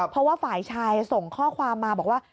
เพราะว่าฝ่ายชายส่งข้อความมาบอกว่า